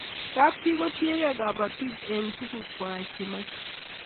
Kapchii kotiegei kabatik eng' tuguk kwai che mache